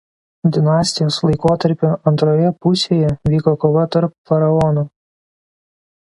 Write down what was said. Dinastijos laikotarpio antroje pusėje vyko kova tarp faraonų.